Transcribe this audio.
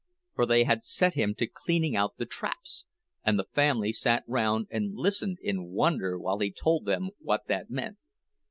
For they had set him to cleaning out the traps; and the family sat round and listened in wonder while he told them what that meant.